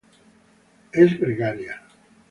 Es gregaria.